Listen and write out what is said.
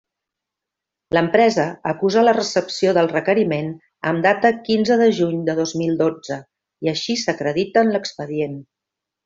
L'empresa acusa la recepció del requeriment amb data quinze de juny de dos mil dotze, i així s'acredita en l'expedient.